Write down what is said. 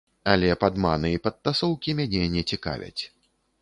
Але падманы і падтасоўкі мяне не цікавяць.